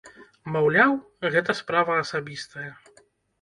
Маўляў, гэта справа асабістая.